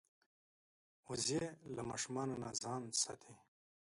وزې له ماشومانو نه ځان ساتي